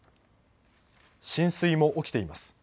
浸水も起きています。